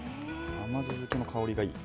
甘酢漬けの香りがいい。